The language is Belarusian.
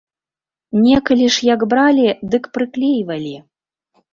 Некалі ж, як бралі, дык прыклейвалі.